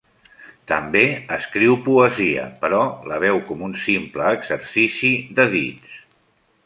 També escriu poesia, però la veu com un simple exercici de dits.